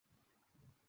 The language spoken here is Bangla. আম্মি, ফোন উঠাও!